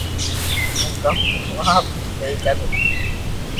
ھون ڪاوُ ڪارو اپ تو سھي ڪر